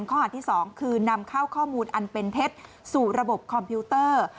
ข้อหาที่๒คือนำเข้าข้อมูลอันเป็นเท็จสู่ระบบคอมพิวเตอร์